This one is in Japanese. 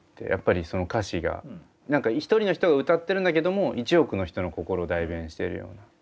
やっぱりその歌詞が何か一人の人が歌ってるんだけども１億の人の心を代弁しているような。